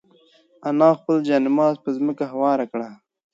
انا خپل جاینماز په ځمکه هوار کړ.